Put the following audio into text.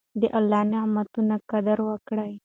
د الله نعمتونو قدر وکړئ.